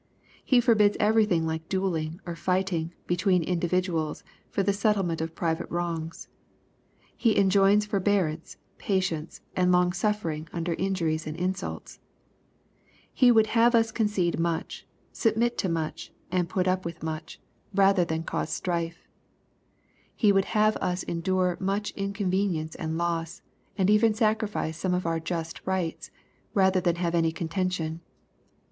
He forbids everything like duelling, or fighting, between individu als, for the settlement of private wrongs. He (injoins forbearance, patience, and long sufiering under injuries and insults. He would have us concede much, submit to much, and put up with mudu 188 KXPOSITOBY THOUGHTS. rather than cause strife. He would have us endure much incon venience and loss, and even sacrifice some of our just rights^ rather than have any contention.